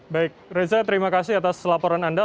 baik reza terima kasih atas laporan anda